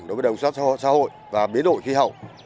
đối với đồng xác xã hội và biến đổi khí hậu